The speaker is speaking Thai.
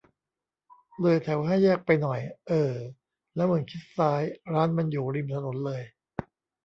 เลยแถวห้าแยกไปหน่อย เออ แล้วมึงชิดซ้าย ร้านมันอยู่ริมถนนเลย